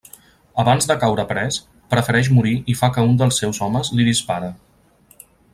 Abans de caure pres, prefereix morir i fa que un dels seus homes li dispare.